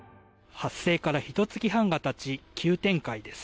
発生からひと月半がたち急展開です。